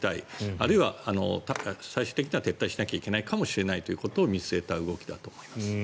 あるいは最終的には撤退しなきゃいけないかもしれないということを見据えた動きだと思います。